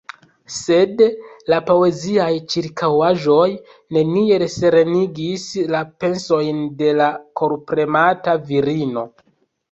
Sed la poeziaj ĉirkaŭaĵoj neniel serenigis la pensojn de la korpremata virino.